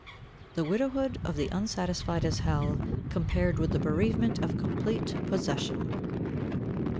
"The widowhood of the unsatisfied is hell, compared with the bereavement of complete possession."